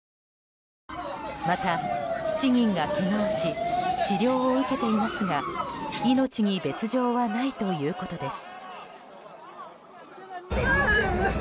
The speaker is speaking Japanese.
また、７人がけがをし治療を受けていますが命に別条はないということです。